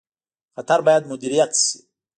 خطر باید مدیریت شي